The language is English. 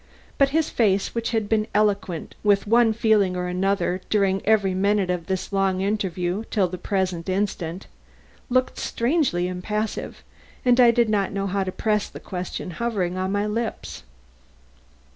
But his face, which had been eloquent with one feeling or another during every minute of this long interview till the present instant, looked strangely impassive, and I did not know how to press the question hovering on my lips.